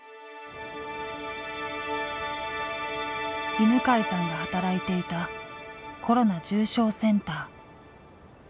犬養さんが働いていたコロナ重症センター。